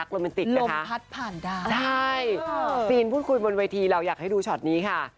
คือเขาด้วยมีการโชว์สกิลครับ